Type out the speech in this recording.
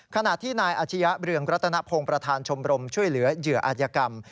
ขณะที่นายอาชียะเรืองรัตนพงศ์ประธานชมรมช่วยเหลือเหยื่ออาจยกรรม